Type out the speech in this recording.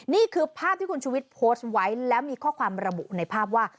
นี่คือภาพที่คุณชุวิตโพสต์ไว้แล้วมีข้อความระบุในภาพว่า